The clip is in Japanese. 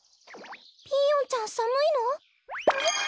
ピーヨンちゃんさむいの？